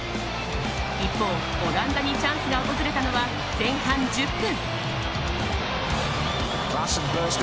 一方、オランダにチャンスが訪れたのは前半１０分。